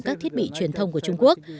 các thiết bị truyền thông của trung quốc